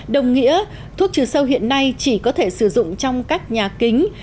đồng nghĩa thuốc trừ sâu hiện nay chỉ có thể sử dụng trong các nhà kính